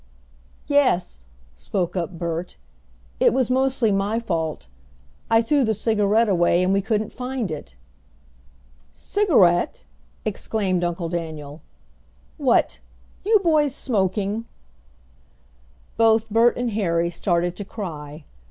"Yes," spoke up Bert. "It was mostly my fault. I threw the cigarette away and we couldn't find it." "Cigarette!" exclaimed Uncle Daniel. "What! you boys smoking!" Both Bert and Harry started to cry.